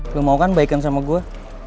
lo mau kan baikan sama gue